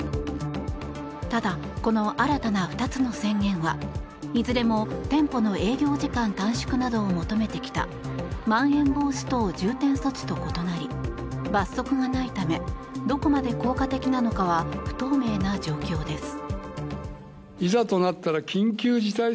ただ、この新たな２つの宣言はいずれも店舗の営業時間短縮などを求めてきたまん延防止等重点措置と異なり罰則がないためどこまで効果的なのかは不透明な状況です。